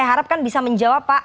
saya harapkan bisa menjawab pak